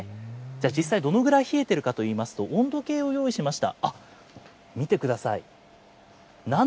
じゃあ実際、どのぐらい冷えているかといいますと、温度計を用意しました。